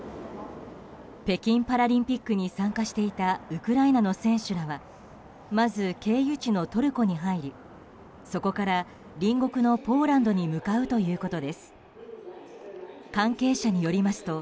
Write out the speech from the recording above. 北京パラリンピックに参加していたウクライナの選手らはまず経由地のトルコに入りそこから隣国のポーランドに向かうということです。